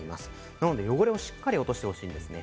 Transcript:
なので汚れをしっかり落としてほしいんですね。